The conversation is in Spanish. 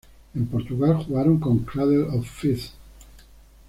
En Portugal, jugaron con Cradle Of Filth.